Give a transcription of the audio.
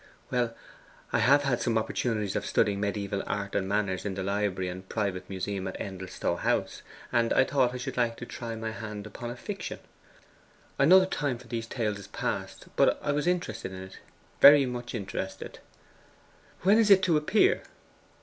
'Well, I have had some opportunities of studying mediaeval art and manners in the library and private museum at Endelstow House, and I thought I should like to try my hand upon a fiction. I know the time for these tales is past; but I was interested in it, very much interested.' 'When is it to appear?